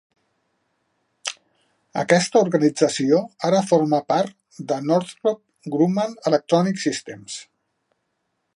Aquesta organització ara forma part de Northrop Grumman Electronic Systems.